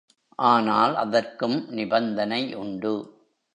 ஆனால் அதற்கும் நிபந்தனை உண்டு.